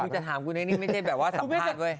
นี่จะถามกูเนี่ยไม่ใช่ความสัมภาษณ์ว่า